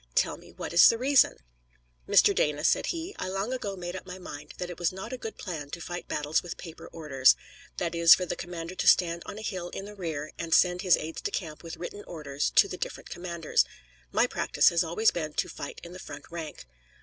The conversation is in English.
Tell me what is the reason?" "Mr. Dana," said he, "I long ago made up my mind that it was not a good plan to fight battles with paper orders that is, for the commander to stand on a hill in the rear and send his aides de camp with written orders to the different commanders. My practice has always been to fight in the front rank."